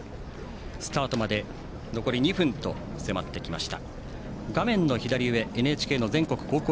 スタートまで残り２分と迫ってきました。